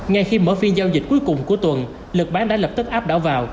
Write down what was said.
ngay khi mở phiên giao dịch cuối cùng của tuần lực bán đã lập tức áp đảo vào